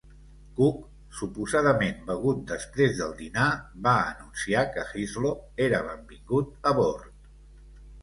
Cook, suposadament begut després del dinar, va anunciar que Hislop era "benvingut a bord".